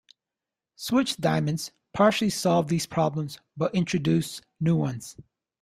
Switched diamonds partially solve these problems, but introduce new ones.